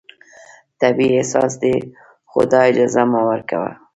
طبیعي احساس دی، خو دا اجازه مه ورکوه